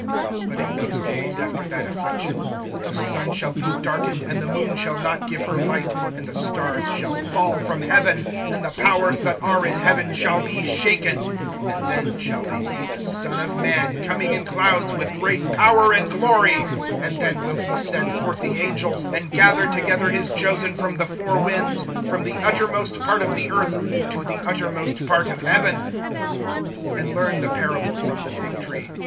(24)But in those days, after that affliction, the sun shall be darkened, and the moon shall not give her light; (25)and the stars shall fall from heaven, and the powers that are in heaven shall be shaken. (26)And then shall they see the Son of man coming in clouds, with great power and glory. (27)And then will he send forth the angels, and gather together his chosen from the four winds, from the uttermost part of the earth to the uttermost part of heaven. (28)And learn the parable from the fig tree.